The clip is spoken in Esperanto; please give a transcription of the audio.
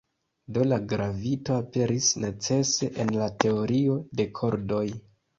Do, la gravito aperis "necese" en la teorio de kordoj.